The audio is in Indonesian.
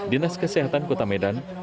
dinas kesehatan kota medan